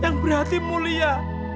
yang berhati mulia